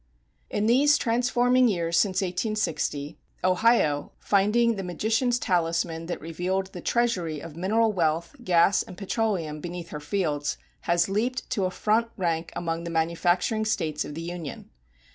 In these transforming years since 1860, Ohio, finding the magician's talisman that revealed the treasury of mineral wealth, gas, and petroleum beneath her fields, has leaped to a front rank among the manufacturing States of the Union.